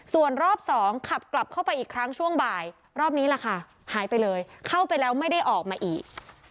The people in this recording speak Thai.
ส่วนรอบสองขับกลับเข้าไปอีกครั้งช่วงบ่ายรอบนี้แหละค่ะหายไปเลยเข้าไปแล้วไม่ได้ออกมาอีก